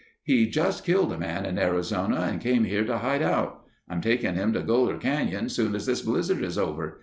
He just killed a man in Arizona and came here to hide out. I'm taking him to Goler Canyon soon as this blizzard is over.